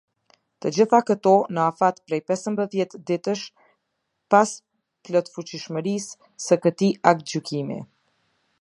Të gjitha këto në afat prej pesëmbëdhjetë ditësh pas plotfuqishmërisë se këtij aktgjykimi.